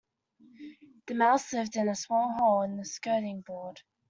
The mouse lived in a small hole in the skirting board